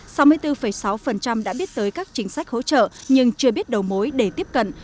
trong khi đó sáu mươi bốn sáu đã biết tới các chính sách hỗ trợ nhưng chưa biết đầu mối để tiếp cận